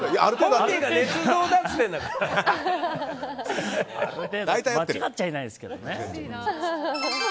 間違っちゃないですけどね。